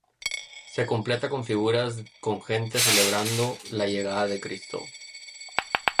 Se completa con figuras con gente celebrando la llegada de Cristo.